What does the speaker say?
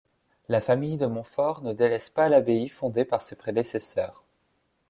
La famille de Monfort ne délaisse pas l'abbaye fondée par ses prédécesseurs.